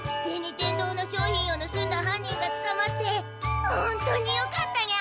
天堂の商品をぬすんだ犯人がつかまってホントによかったにゃ！